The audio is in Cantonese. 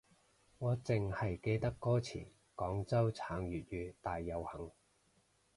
我淨係記得歌詞廣州撐粵語大遊行